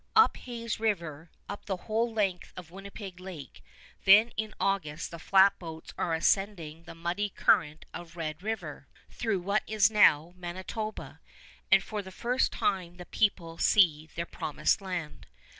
Up Hayes River, up the whole length of Winnipeg Lake, then in August the flatboats are ascending the muddy current of Red River, through what is now Manitoba, and for the first time the people see their Promised Land.